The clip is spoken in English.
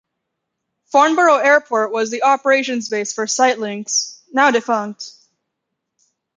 Farnborough Airport was the operations base for Citelynx, now defunct.